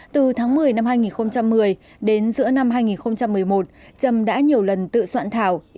từ tháng một mươi năm hai nghìn một mươi đến giữa năm hai nghìn một mươi một trâm đã nhiều lần tự soạn thảo